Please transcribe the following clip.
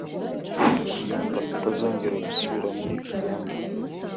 yumva atazongera gusubira muri Uganda